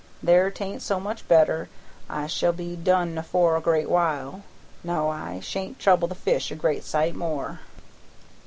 There, 'tain't so much matter, I shall be done afore a great while. No; I sha'n't trouble the fish a great sight more."